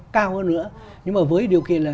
cao hơn nữa nhưng mà với điều kiện là